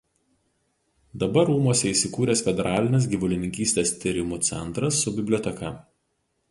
Dabar rūmuose įsikūręs Federalinis gyvulininkystės tyrimų centras su biblioteka.